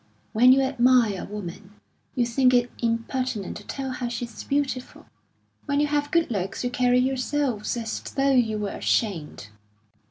When you admire a woman, you think it impertinent to tell her she's beautiful; when you have good looks, you carry yourselves as though you were ashamed."